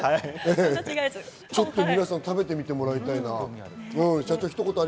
皆さん食べてみてもらいたいな。